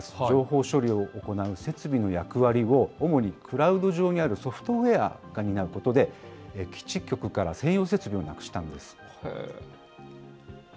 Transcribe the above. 情報処理を行う設備の役割を、主にクラウド上にあるソフトウエアが担うことで、基地局から専用設備をなくしたんです。